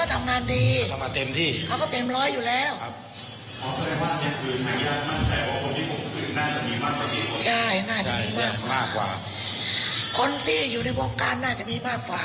แต่สำรวจเขาก็ทำงานดี